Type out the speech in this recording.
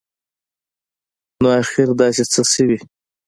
نو اخیر داسي څه شوي